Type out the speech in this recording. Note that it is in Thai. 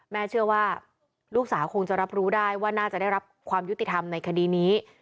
เชื่อว่าลูกสาวคงจะรับรู้ได้ว่าน่าจะได้รับความยุติธรรมในคดีนี้